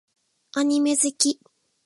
アニメ好き